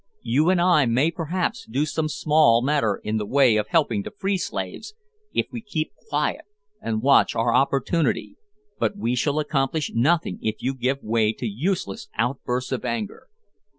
You and I may perhaps do some small matter in the way of helping to free slaves, if we keep quiet and watch our opportunity, but we shall accomplish nothing if you give way to useless bursts of anger."